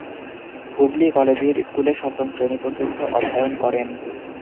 Hooghly collegiate স্কুলে সপ্তম শ্রেণী পর্যন্ত অধ্যায়ন করেন।